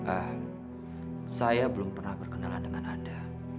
ah saya belum pernah berkenalan dengan anda